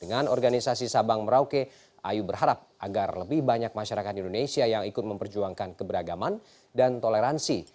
dengan organisasi sabang merauke ayu berharap agar lebih banyak masyarakat indonesia yang ikut memperjuangkan keberagaman dan toleransi